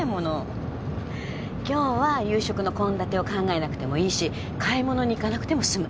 今日は夕食の献立を考えなくてもいいし買い物に行かなくてもすむ。